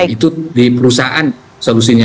itu di perusahaan solusinya